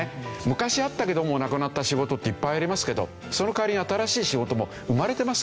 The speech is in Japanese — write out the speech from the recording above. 昔あったけどなくなった仕事っていっぱいありますけどその代わりに新しい仕事も生まれてますから。